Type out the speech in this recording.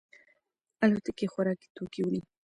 الوتکې خوراکي توکي وړي.